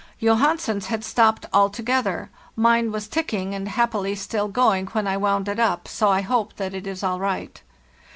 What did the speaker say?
Johansen's had stopped altogether; mine was ticking, and happily still going when I wound it up, so I hope that it is all right.